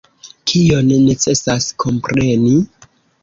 Kion necesas kompreni?